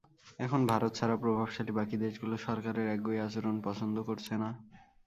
এখন ভারত ছাড়া প্রভাবশালী বাকি দেশগুলো সরকারের একগুঁয়ে আচরণ পছন্দ করছে না।